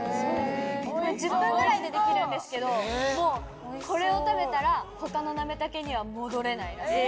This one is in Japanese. １０分ぐらいでできるんですけどこれを食べたら他のなめたけに戻れないです。